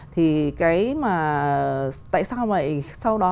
thì cái mà tại sao mà sau đó